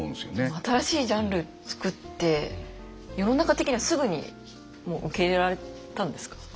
その新しいジャンル作って世の中的にはすぐにもう受け入れられたんですか？